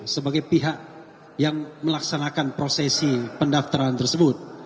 sebagai pihak yang melaksanakan prosesi pendaftaran tersebut